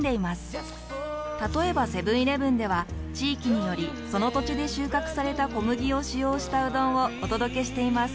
例えばセブンーイレブンでは地域によりその土地で収穫された小麦を使用したうどんをお届けしています。